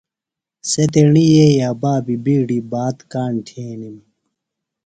سےۡ تیݨی یئی بابی بِیڈیۡ بات کاݨ تھینِم۔